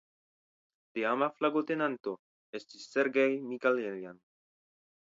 Teama flagotenanto estis "Sergej Mikajeljan".